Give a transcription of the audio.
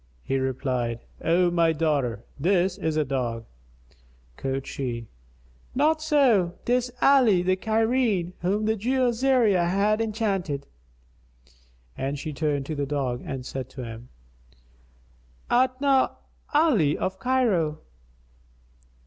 He replied, "O my daughter, this is a dog." Quoth she, "Not so, 'tis Ali the Cairene, whom the Jew Azariah hath enchanted;" and she turned to the dog and said to him, "Art not Ali of Cairo?"